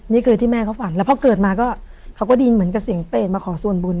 นี่คือที่แม่เขาฝันแล้วพอเกิดมาก็เขาก็ได้ยินเหมือนกับเสียงเปรตมาขอส่วนบุญ